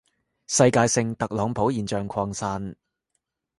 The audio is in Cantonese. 世界性特朗普現象擴散